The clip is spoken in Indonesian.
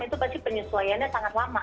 itu pasti penyesuaiannya sangat lama